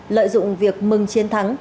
lợi dụng việc mừng chiến thắng